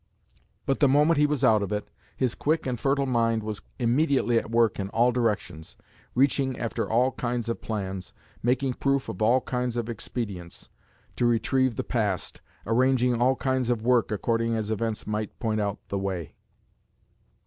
But the moment he was out of it, his quick and fertile mind was immediately at work in all directions, reaching after all kinds of plans, making proof of all kinds of expedients to retrieve the past, arranging all kinds of work according as events might point out the way.